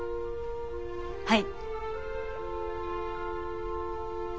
はい。